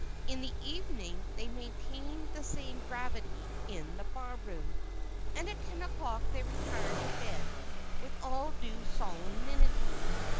In the evening they maintained the same gravity in the bar room, and at ten o'clock they retired to bed with all due solemnity.